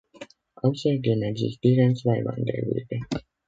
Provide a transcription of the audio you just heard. Außerdem existieren zwei Wanderwege.